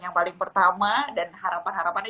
yang paling pertama dan harapan harapannya